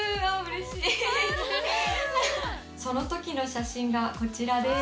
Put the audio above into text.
その時の写真がこちらです」。